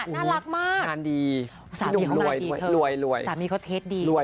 น่ารักมากน่ารักดีสามีเขามาดีเถอะรวยรวยรวยสามีเขาเทสดีรวย